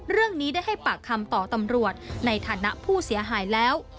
เรื่องนี้ได้ให้ปากคำต่อตำรวจในฐานะผู้เสียหายแล้ว